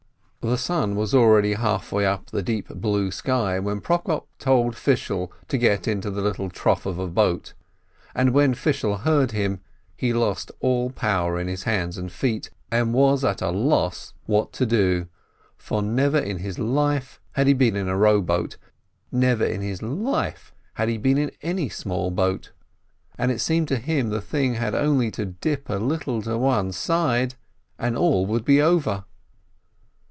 The sun was already half way up the deep, blue sky, when Prokop told Fishel to get into the little trough of a boat, and when Fishel heard him, he lost all power in his feet and hands, and was at a loss what to do, for never in his life had he been in a rowboat, never in his life had he been in any small boat. And it seemed to him the thing had only to dip a little to one side, and all would be over.